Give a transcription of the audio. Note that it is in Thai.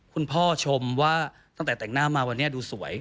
คุณผู้ชมชมว่าตั้งแต่แต่งหน้ามาวันนี้ดูสวย